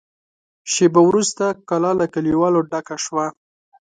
شېبه وروسته کلا له کليوالو ډکه شوه.